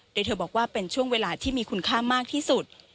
โดยเธอบอกว่าเป็นช่วงเวลาที่มีคุณค่ามากที่สุด